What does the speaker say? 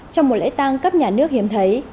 trong một lễ tăng cấp nhà nước hiếm thấy